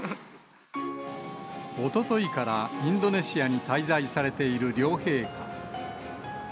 おとといからインドネシアに滞在されている両陛下。